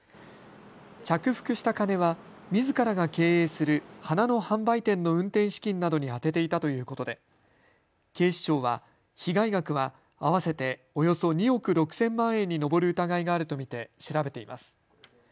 着服した金はみずからが経営する花の販売店の運転資金などに充てていたということで警視庁は被害額は合わせておよそ２億６０００万円に上る疑いがあると見て調べています。